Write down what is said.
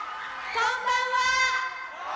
こんばんは！